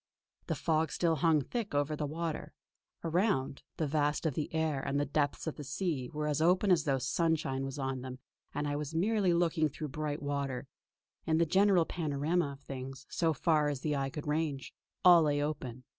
The fog still hung thick over the water. Around, the vast of the air and the depths of the sea were as open as though sunshine was on them and I was merely looking through bright water. In the general panorama of things, so far as the eye could range, all lay open.